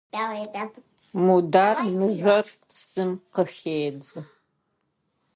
Мудар мыжъор псым къыхедзы.